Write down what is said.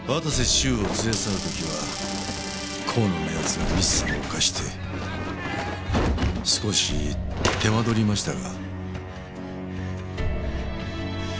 修を連れ去る時は甲野の奴がミスを犯して少し手間取りましたが。